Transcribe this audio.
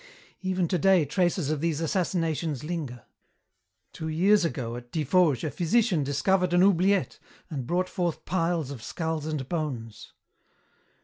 "Even today traces of these assassinations linger. Two years ago at Tiffauges a physician discovered an oubliette and brought forth piles of skulls and bones.